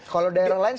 kalau daerah lain